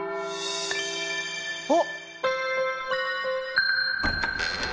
あっ！